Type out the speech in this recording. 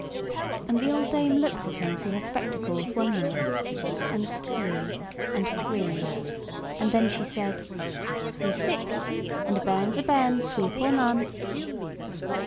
And the old dame looked at him through her spectacles one minute, and two, and three; and then she said, "He's sick; and a bairn's a bairn, sweep or none."